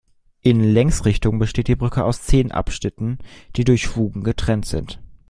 In Längsrichtung besteht die Brücke aus zehn Abschnitten, die durch Fugen getrennt sind.